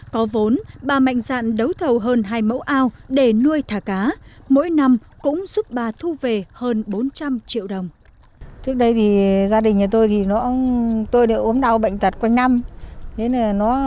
có vốn bà mạnh dạn đấu thầu hơn hai mẫu ao để nuôi thả cá mỗi năm cũng giúp bà thu về hơn bốn trăm linh triệu đồng